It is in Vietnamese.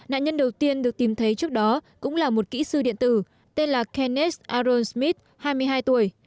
nạn nhân đầu tiên được tìm thấy trước đó cũng là một kỹ sư điện tử tên là kenned aron smith hai mươi hai tuổi